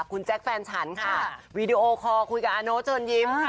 คุณแจ๊คแฟนฉันค่ะวีดีโอคอลคุยกับอาโน้ตเชิญยิ้มค่ะ